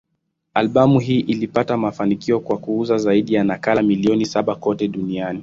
Albamu hii ilipata mafanikio kwa kuuza zaidi ya nakala milioni saba kote duniani.